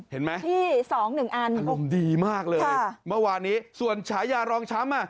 เห็นไหมที่สองหนึ่งอันอารมณ์ดีมากเลยเมื่อวานนี้ส่วนฉายารองช้ำอ่ะ